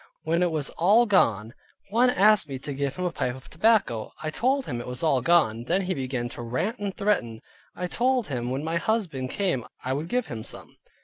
When it was all gone, one asked me to give him a pipe of tobacco. I told him it was all gone. Then began he to rant and threaten. I told him when my husband came I would give him some.